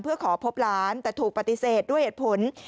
เพื่อขอพบหลานแต่ถูกปฏิเสธด้วยเหตุผล